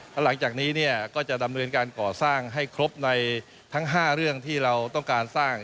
แล้วหลังจากนี้เนี่ยก็จะดำเนินการก่อสร้างให้ครบในทั้ง๕เรื่องที่เราต้องการสร้าง